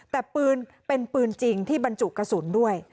แต่ปืนเป็นปืนจริงที่บรรจุกระสุนด้วย